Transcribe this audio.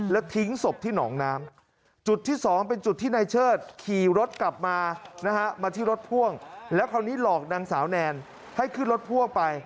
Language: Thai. แล้วคราวนี้หลอกนางสาวแนนให้ขึ้นรถพ่วงไป